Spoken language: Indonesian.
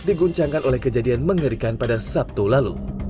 diguncangkan oleh kejadian mengerikan pada sabtu lalu